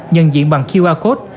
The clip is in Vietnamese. nhân diện bằng qr code